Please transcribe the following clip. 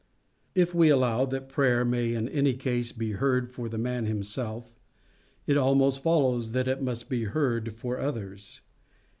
If we allow that prayer may in any case be heard for the man himself, it almost follows that it must be heard for others.